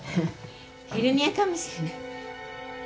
ヘルニアかもしれない。